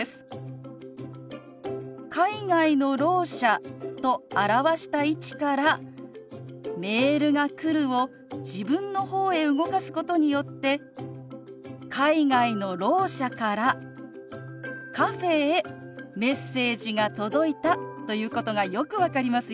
「海外のろう者」と表した位置から「メールが来る」を自分の方へ動かすことによって海外のろう者からカフェへメッセージが届いたということがよく分かりますよね。